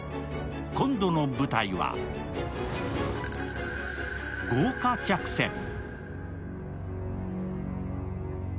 今度の舞台は、豪華客船。